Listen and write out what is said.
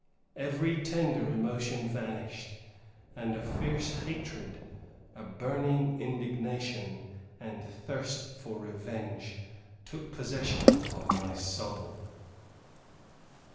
Every tender emotion vanished, and a fierce hatred, a burning indignation, and thirst for revenge, took possession of my soul.